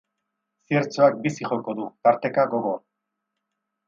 Ziertzoak bizi joko du, tarteka gogor.